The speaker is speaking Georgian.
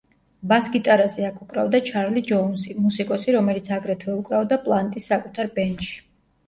ბას-გიტარაზე აქ უკრავდა ჩარლი ჯოუნსი, მუსიკოსი, რომელიც აგრეთვე უკრავდა პლანტის საკუთარ ბენდში.